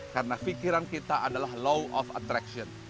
karena pikiran kita adalah law of attraction